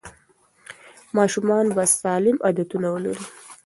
ماشومان به سالم عادتونه ولري.